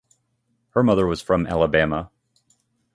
Her mother was from Alabama.